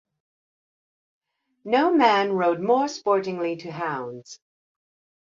No man rode more sportingly to hounds.